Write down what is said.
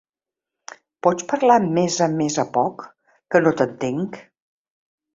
Pots parlar més a més a poc, que no t'entenc?